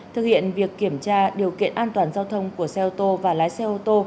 thực hiện việc kiểm tra điều kiện an toàn giao thông của xe ô tô và lái xe ô tô